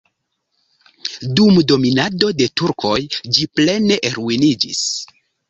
Dum dominado de turkoj ĝi plene ruiniĝis.